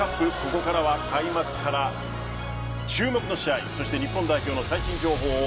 ここからは開幕から注目の試合そして日本代表の最新情報を。